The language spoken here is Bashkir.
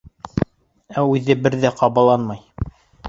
Ә үҙе бер ҙә ҡабаланмай.